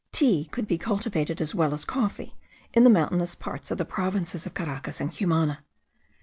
Tea could be cultivated as well as coffee in the mountainous parts of the provinces of Caracas and Cumana.